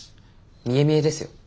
見え見えですよ。